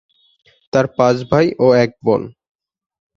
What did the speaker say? তার পাঁচ ভাই ও এক বোন।